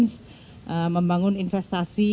terus membangun investasi